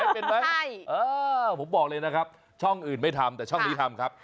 เป็นไหมผมบอกเลยนะครับช่องอื่นไม่ทำแต่ช่องนี้ทำครับ